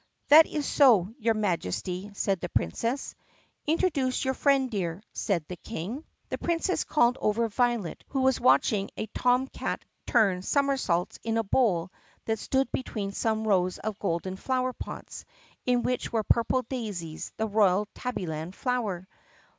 "That is so, your Majesty," said the Princess. "Introduce your friend, dear," said the King. 66 THE PUSSYCAT PRINCESS The Princess called over Violet who was watching a tom catfish turn somersaults in a bowl that stood between some rows of golden flower pots in which were purple daisies, the royal Tabbyland flower.